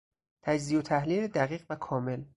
تجزیه و تحلیل دقیق و کامل